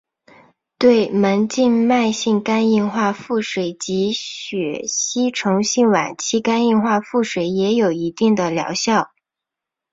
对门静脉性肝硬化腹水及血吸虫性晚期肝硬化腹水也有一定的疗效。